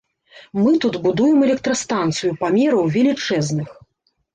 Мы тут будуем электрастанцыю памераў велічэзных.